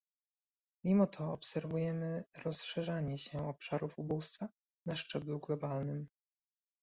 Mimo to obserwujemy rozszerzanie się obszarów ubóstwa na szczeblu globalnym